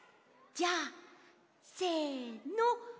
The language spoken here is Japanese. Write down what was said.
じゃあせの。